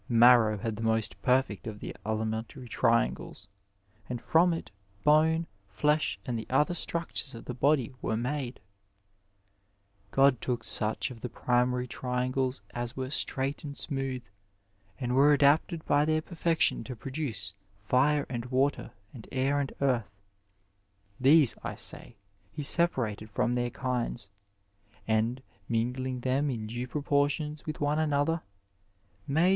Mar row had the most perfect of the elementary triangles, and from it bone, flesh, and the other structures of the body were made. '^ God took such of the primary triangles as were straight and smooth, and were adapted by their perfection to produce fire and water, and air and earth ; these, I say, he separated from their kinds, and mingling them in due proportions with one another, made the mar ^ The Dialoffues of Plato, translated into English by B.